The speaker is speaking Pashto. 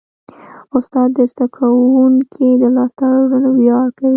استاد د زده کوونکي د لاسته راوړنو ویاړ کوي.